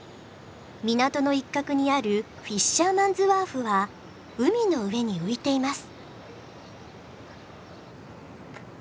港の一角にあるフィッシャーマンズワーフは海の上に浮いています。